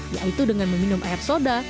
yaitu dengan meminum air soda